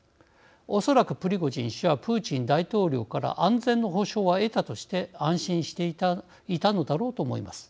おそらく、プリゴジン氏はプーチン大統領から安全の保証は得たとして安心していたのだろうと思います。